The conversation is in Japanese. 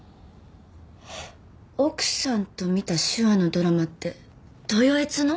奥さんと見た手話のドラマってトヨエツの？